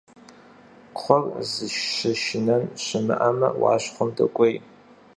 Кхъуэр зыщышынэн щымыӀэмэ, Ӏуащхьэм докӀуей.